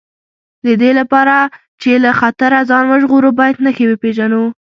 د دې لپاره چې له خطره ځان وژغورو باید نښې وپېژنو.